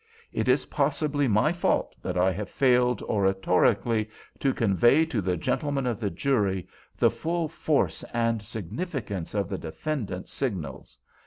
It is possibly my fault that I have failed, oratorically, to convey to the gentlemen of the jury the full force and significance of the defendant's signals.